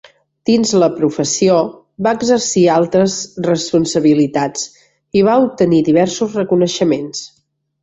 Dins la professió, va exercir altes responsabilitats i va obtenir diversos reconeixements.